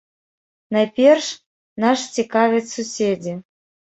Найперш наш цікавяць суседзі.